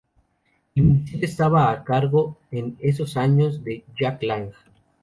El ministerio estaba a cargo en esos años de Jack Lang.